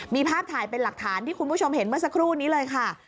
มีภาพถ่ายเป็นหลักฐานที่คุณผู้ชมเห็นเมื่อสักครู่นี้เลยค่ะ